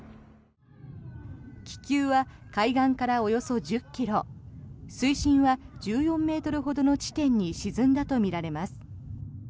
気球は海岸からおよそ１０ｋｍ水深は１４ｍほどの地点に沈んだとみられます。